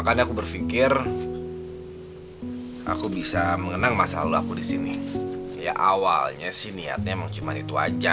kau pergi saat ku mulai cinta